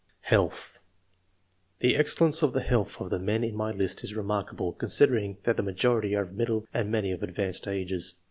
HEALTH. The excellence of the health of the men in my list is remarkable, considering that the majority are of middle and many of advanced ages.